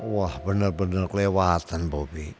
wah bener bener kelewatan bobi